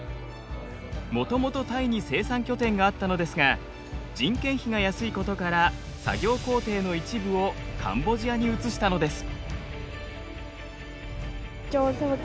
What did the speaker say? もともとタイに生産拠点があったのですが人件費が安いことから作業工程の一部をカンボジアに移したのです。